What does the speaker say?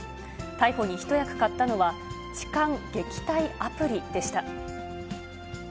逮捕に一役買ったのは、痴漢撃退アプリでした。